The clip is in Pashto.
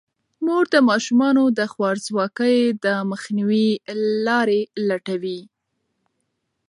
مور د ماشومانو د خوارځواکۍ د مخنیوي لارې لټوي.